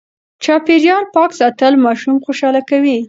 چاپېريال پاک ساتل ماشوم خوشاله کوي.